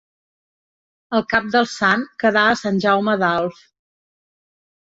El cap del sant quedà a Sant Jaume d'Alf.